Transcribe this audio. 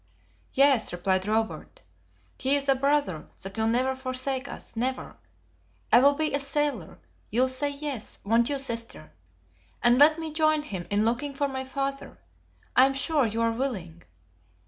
"Yes," replied Robert. "He is a brother that will never forsake us, never! I will be a sailor, you'll say yes, won't you, sister? And let me join him in looking for my father. I am sure you are willing."